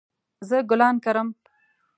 زه ګلان کرم